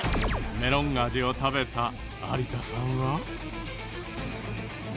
メロン味を食べた有田さんは。